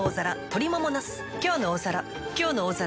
「きょうの大皿」